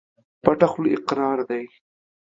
پټه خوله اقرار دى.